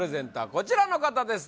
こちらの方です